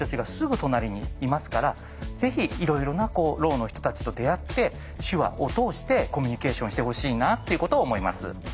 ぜひいろいろなろうの人たちと出会って手話を通してコミュニケーションしてほしいなっていうことを思います。